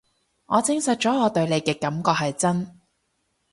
我證實咗我對你嘅感覺係真